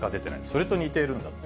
それと似ているんだと。